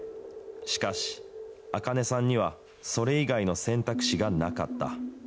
しかし、あかねさんにはそれ以外の選択肢がなかった。